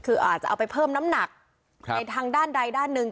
คืออาจจะเอาไปเพิ่มน้ำหนักในทางด้านใดด้านหนึ่ง